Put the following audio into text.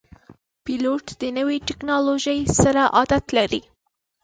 پیلوټ د نوي ټکنالوژۍ سره عادت لري.